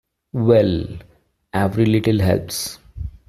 Well, every little helps.